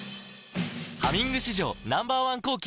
「ハミング」史上Ｎｏ．１抗菌